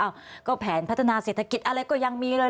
ก็แผนพัฒนาเศรษฐกิจอะไรก็ยังมีเลย